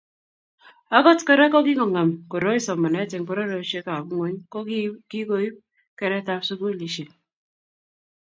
Agot Kora kokikongem koroi somanet eng pororiosiekab ngwony ko ki koib keretab sukulisiek